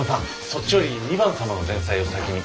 そっちより２番様の前菜を先に。